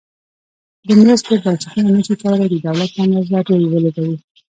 د مرستو بنسټونه نشي کولای د دولت په اندازه رول ولوبوي.